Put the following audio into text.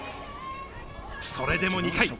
それでも、２回。